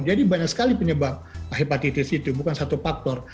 jadi banyak sekali penyebab hepatitis itu bukan satu faktor